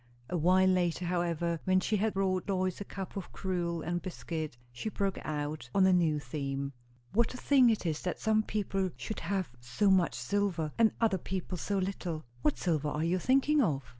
A while later, however, when she had brought Lois a cup of gruel and biscuit, she broke out on a new theme. "What a thing it is, that some people should have so much silver, and other people so little!" "What silver are you thinking of?"